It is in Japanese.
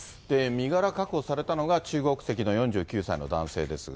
身柄確保されたのが中国籍の４９歳の男性ですが。